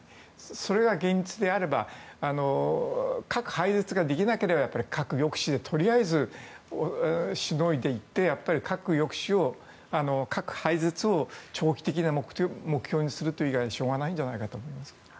それが現実であれば核廃絶ができなければ核抑止でとりあえずしのいでいって核廃絶を長期的な目標にする以外にしょうがないんじゃないかなと思います。